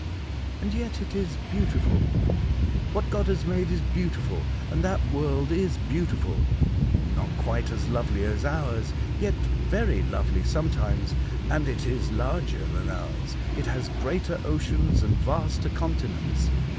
And yet it is beautiful. What God has made is beautiful, and that world is Welcome Home, 79 beautiful ; not quite as lovely as ours, yet very lovely sometimes, and it is larger than ours ; it has greater oceans and vaster continents.